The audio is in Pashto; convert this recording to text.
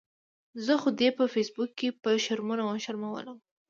زه خو دې په فیسبوک کې په شرمونو وشرمؤلم